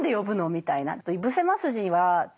みたいな。